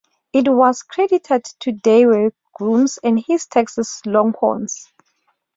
It was credited to Dewey Grooms and his Texas Longhorns.